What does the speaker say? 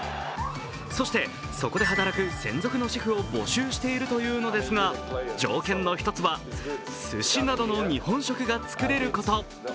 そして、そこで働く専属のシェフを募集しているというのですが条件の一つは、すしなどの日本食が作れること。